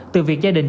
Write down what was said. từ việc gia đình